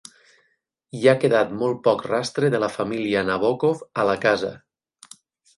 Hi ha quedat molt poc rastre de la família Nabókov a la casa.